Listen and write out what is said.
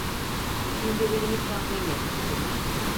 Düşüncelerimi tahmin etmiş gibi: